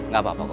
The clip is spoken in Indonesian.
gak apa apa bu